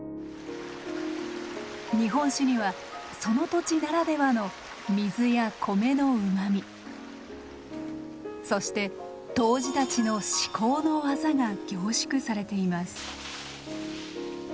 日本酒にはその土地ならではの水や米のうまみそして杜氏たちの至高の技が凝縮されています。